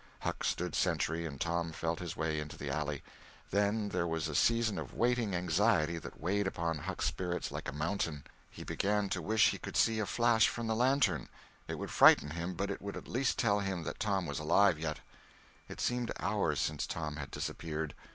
Huck stood sentry and Tom felt his way into the alley. Then there was a season of waiting anxiety that weighed upon Huck's spirits like a mountain. He began to wish he could see a flash from the lantern—it would frighten him, but it would at least tell him that Tom was alive yet. It seemed hours since Tom had disappeared.